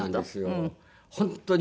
本当？